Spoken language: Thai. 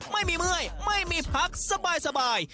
ไม่มีเมื่อยไม่มีพักสบาย